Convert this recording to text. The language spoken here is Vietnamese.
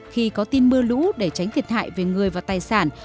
khi có tin mưa lũ để tránh thiệt hại về người và tài sản